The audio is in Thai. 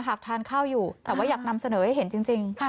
หากทานข้าวอยู่แต่ว่าอยากนำเสนอให้เห็นจริง